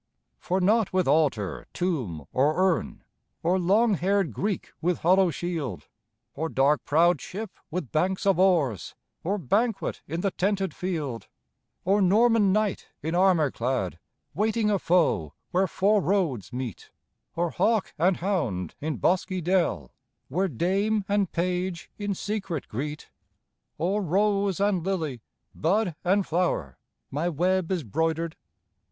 For not with altar, tomb, or urn, Or long haired Greek with hollow shield, Or dark prowed ship with banks of oars, Or banquet in the tented field; Or Norman knight in armor clad, Waiting a foe where four roads meet; Or hawk and hound in bosky dell, Where dame and page in secret greet; Or rose and lily, bud and flower, My web is broidered.